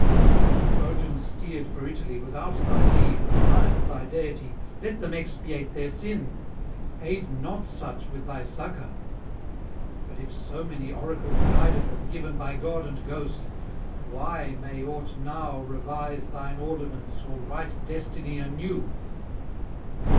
If the Trojans steered for Italy without thy leave and defiant of thy deity, let them expiate their sin; aid not such with thy succour. But if so many oracles guided them, given by god and ghost, why may aught now reverse thine ordinance or write destiny anew?